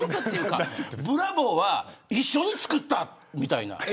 ブラボーは一緒に作ったって。